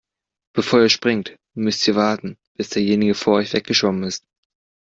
Bevor ihr springt, müsst ihr warten, bis derjenige vor euch weggeschwommen ist.